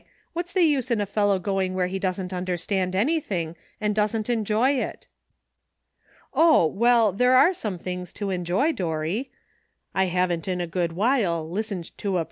What's the use in a fel low going where he doesn't understand any thing, and doesn't enjoy it?" "Oh! well, there are some things to enjoy, Dorry. I haven't in a good while listened to a 338 ''LUCK.''